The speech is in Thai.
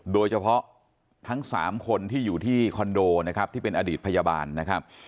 โดยเฉพาะทั้ง๓คนที่อยู่ที่คอนโดนะครับที่เป็นอดีตพยาบาลนะครับ